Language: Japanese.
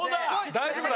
大丈夫だ。